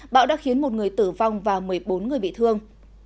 bão đã khiến một người tử vong và một mươi bốn người bị thương